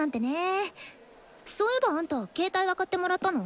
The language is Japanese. そういえばあんた携帯は買ってもらったの？